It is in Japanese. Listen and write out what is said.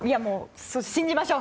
信じましょう！